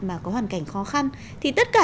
mà có hoàn cảnh khó khăn thì tất cả